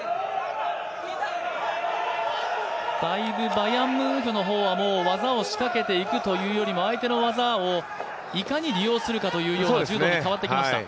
バヤンムンフの方は技を仕掛けていくというよりも、相手の技をいかに利用するかというような柔道に変わってきました。